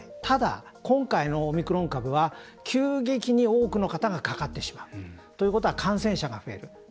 ただ、今回のオミクロン株は急激に多くの方がかかってしまうということは感染者が増える。